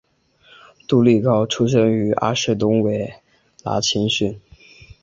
杜利高出身于阿士东维拉青训。